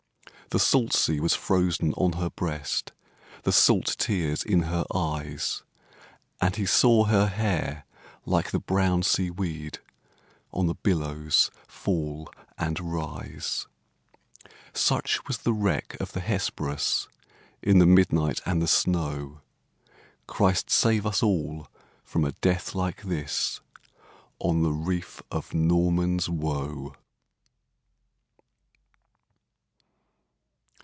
The salt sea was frozen on her breast, The salt tears in her eyes; And he saw her hair like the brown sea weed On the billows fall and rise. Such was the wreck of the Hesperus, In the midnight and the snow! Christ save us all from a death like this, On the reef of Norman's Woe!